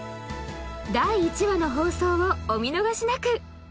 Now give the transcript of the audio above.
第１話の放送をお見逃しなく！